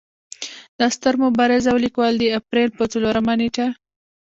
دا ستر مبارز او ليکوال د اپرېل پۀ څلورمه نېټه